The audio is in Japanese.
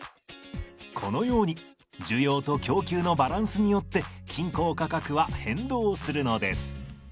このように需要と供給のバランスによって均衡価格は変動するのです。